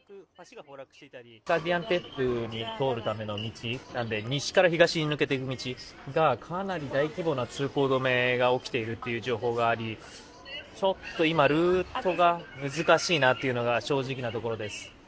ガジアンテプに通るための道なんで、西から東に抜けていく道が、かなり大規模な通行止めが起きているという情報があり、ちょっと今、ルートが難しいなっていうのが正直なところです。